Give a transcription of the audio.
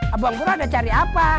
abang pur ada cari apa